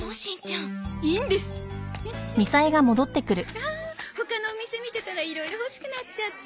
ああ他のお店見てたらいろいろ欲しくなっちゃった。